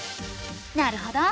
なるほど。